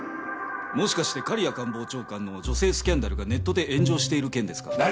もしかして狩屋官房長官の女性スキャンダルがネットで炎上している件ですか？